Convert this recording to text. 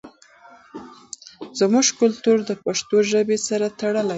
زموږ کلتور د پښتو ژبې سره تړلی دی.